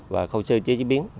và khâu sơ chế chế biến